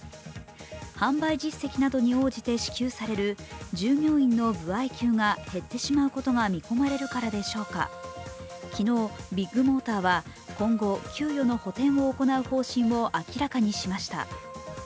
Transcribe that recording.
販売実績などに応じて支給される従業員の歩合給が減ってしまうことが見込まれるからでしょうか、昨日、ビッグモーターは今後、給与の補填を行う方針を明らかにしました。